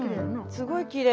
すごいきれい。